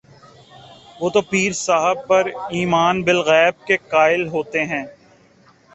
وہ تو پیر صاحب پر ایمان بالغیب کے قائل ہوتے ہیں۔